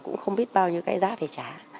cũng không biết bao nhiêu cái giá phải trả